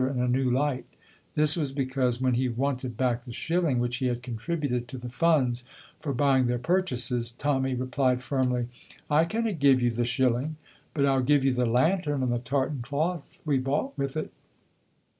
in a new light; this was because when he wanted back the shilling which he had contributed to the funds for buying their purchases, Tommy replied firmly: "I canna give you the shilling, but I'll give you the lantern and the tartan cloth we bought wi' it."